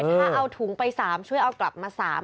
ถ้าเอาถุงไป๓ช่วยเอากลับมา๓